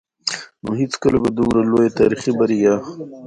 نو هېڅکله به دومره لويه تاريخي بريا